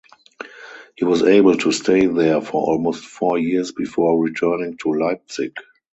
He was able to stay there for almost four years before returning to Leipzig.